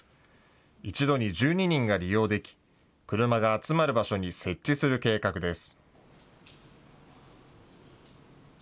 一度に１２人が利用でき車が集まる場所に設置する計画です。